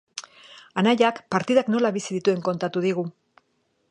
Anaiak partidak nola bizi dituen kontatu digu.